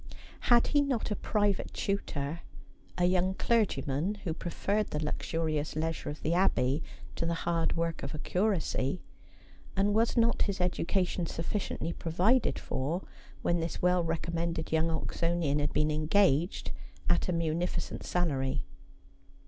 Had he not a private tutor — a young clergyman who preferred the luxurious leisure of the Abbey to the hard work of a curacy — and was not his education sufficiently provided for when this well recommended young Oxonian had been engaged at a munificent salary